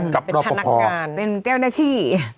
ใช่เป็นธนักการเป็นเจ้าหน้าที่